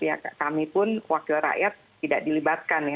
ya kami pun wakil rakyat tidak dilibatkan ya